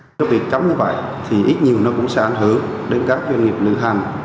đối với việc chấm như vậy thì ít nhiều nó cũng sẽ ảnh hưởng đến các doanh nghiệp lửa hành